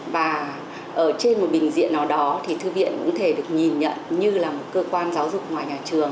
và ở trên một bình diện nào đó thì thư viện cũng có thể được nhìn nhận như là một cơ quan giáo dục ngoài nhà trường